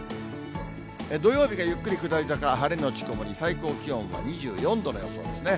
土曜日がゆっくり下り坂、晴れ後曇り、最高気温は２４度の予想ですね。